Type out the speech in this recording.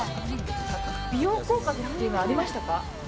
美容効果っていうのありましたか？